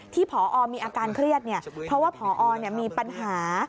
ผอมีอาการเครียดเพราะว่าพอมีปัญหา